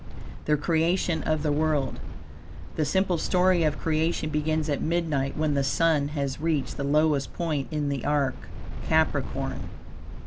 THE CREATION OF THE WORLD The simple story of creation begins at midnight, when the Sun has reached the lowest point in the arc Capricorn.